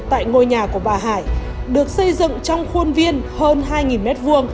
tại ngôi nhà của bà hải được xây dựng trong khuôn viên hơn hai m hai